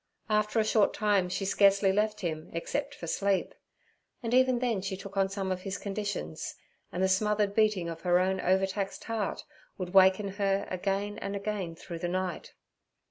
After a short time she scarcely left him except for sleep, and even then she took on some of his conditions, and the smothered beating of her own overtaxed heart would waken her again and again through the night.